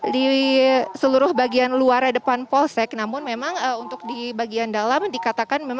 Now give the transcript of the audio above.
di seluruh bagian luar depan polsek namun memang untuk di bagian dalam dikatakan